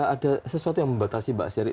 ada sesuatu yang membatasi mbak seri